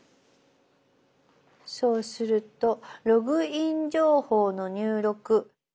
そうすると「ログイン情報の入力」。